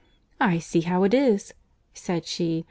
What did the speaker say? "I see how it is," said she.